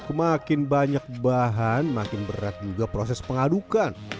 semakin banyak bahan makin berat juga proses pengadukan